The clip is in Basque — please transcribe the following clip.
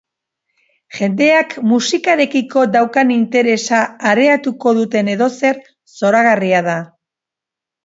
Jendeak musikarekiko daukan interesa areagtuko duen edozer zoragarria da.